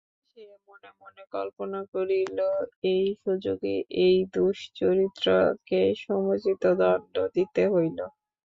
সে মনে মনে কল্পনা করিল এই সুযোগে এই দুশ্চরিত্রাকে সমুচিত দণ্ড দিতে হইল।